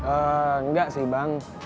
enggak sih bang